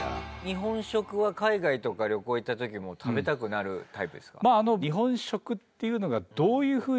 日本食は海外とか旅行行った時も食べたくなるタイプですか？